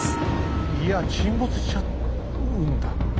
いや沈没しちゃうんだ。